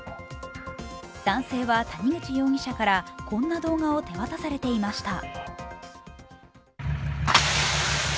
男性は谷口容疑者からこんな動画を手渡されていました。